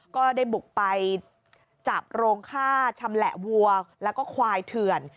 ก็ได้บุกไปจับโรงฆ่าชำแหละวัวแล้วก็ควายเถื่อน